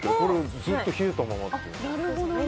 ずっと冷えたままっていう。